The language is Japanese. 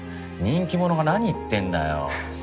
人気者が何言ってんだよ。